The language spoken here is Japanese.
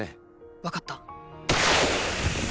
わかった。